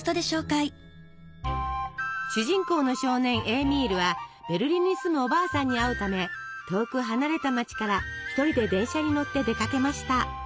主人公の少年エーミールはベルリンに住むおばあさんに会うため遠く離れた街から一人で電車に乗って出かけました。